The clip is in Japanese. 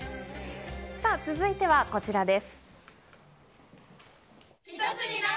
続いてはこちらです。